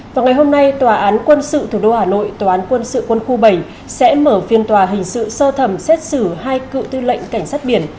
vào ngày hôm nay tòa án quân sự thủ đô hà nội tòa án quân sự quân khu bảy sẽ mở phiên tòa hình sự sơ thẩm xét xử hai cựu tư lệnh cảnh sát biển